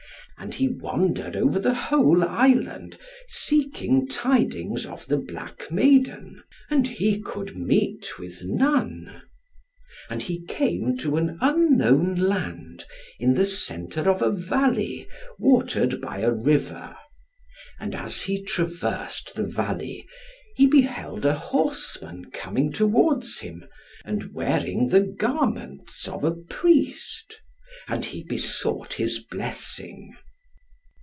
And he wandered over the whole island, seeking tidings of the black maiden, and he could meet with none. And he came to an unknown land, in the centre of a valley, watered by a river. And as he traversed the valley, he beheld a horseman coming towards him, and wearing the garments of a priest, and he besought his blessing.